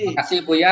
terima kasih buya